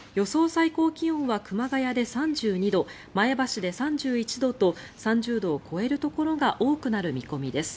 最高気温は熊谷で３２度前橋で３１度と３０度を超えるところが多くなる見込みです。